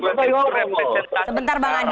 sebentar bang adian